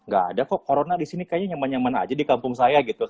gak ada kok corona disini nyaman nyaman aja kayaknya di kampung saya gitu